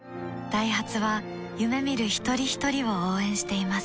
ダイハツは夢見る一人ひとりを応援しています